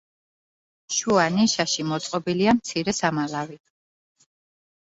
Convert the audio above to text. შუა ნიშაში მოწყობილია მცირე სამალავი.